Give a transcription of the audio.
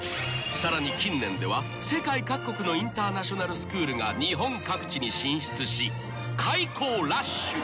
［さらに近年では世界各国のインターナショナルスクールが日本各地に進出し開校ラッシュ］